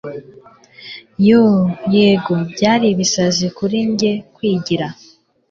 yoo! yego! byari ibisazi kuri njye kwigira